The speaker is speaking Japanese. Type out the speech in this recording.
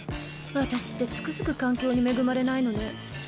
私ってつくづく環境に恵まれないのね。